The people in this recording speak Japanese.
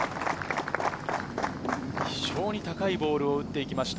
非常に高いボールを打っていきました。